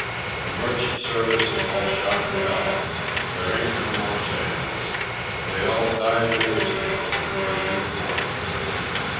The merchant service is all shot to hell. There ain't no more sailors. They all died years ago, before you were born even."